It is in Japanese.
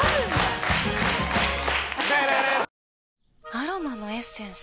アロマのエッセンス？